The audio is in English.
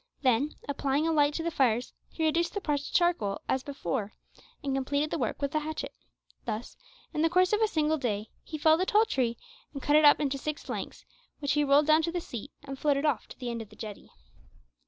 Then, applying a light to the fires he reduced the parts to charcoal as before, and completed the work with the hatchet. Thus, in the course of a single day, he felled a tall tree and cut it up into six lengths, which he rolled down to the sea and floated off to the end of the jetty.